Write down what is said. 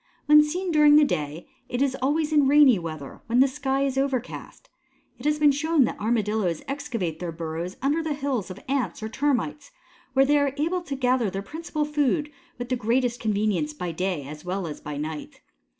When seen during the day it is always in rainy weather when the sky is overcast. It has been shown that Armadillos excavate their burrows under the hills of Ants or Termites, where they are able to gather their principal food with the greatest convenience by day as well as by night.